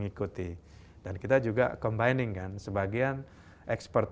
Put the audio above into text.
itu juga apachluss sport agar tenang dan punktual dilihat